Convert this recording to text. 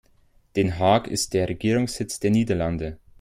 Den Haag ist der Regierungssitz der Niederlande.